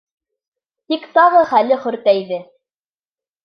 Тик тағы хәле хөртәйҙе.